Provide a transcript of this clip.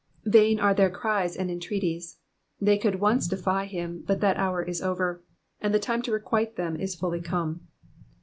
Vain are their cries and en treaties. They could once defy him, but that hour is over, and the time to requite them is fully come.